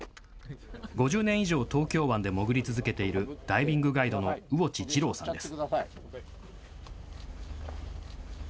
５０年以上、東京湾で潜り続けているダイビングガイドの魚地司郎さんです。